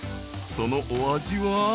そのお味は？